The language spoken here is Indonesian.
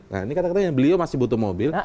nah ini kata katanya beliau masih butuh mobil